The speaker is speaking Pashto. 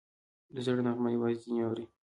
د زړه نغمه یوازې ځینې اوري